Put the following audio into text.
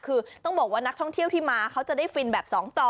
คือต้องบอกว่านักท่องเที่ยวที่มาเขาจะได้ฟินแบบ๒ต่อ